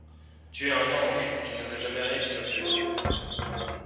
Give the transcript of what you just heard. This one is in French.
Tu es un ange, tu ne veux jamais rien qui ne me plaise !